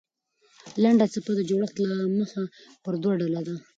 لنډه څپه د جوړښت له مخه پر دوه ډوله ده.